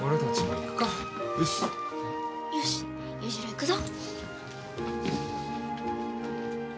よし裕次郎行くぞ。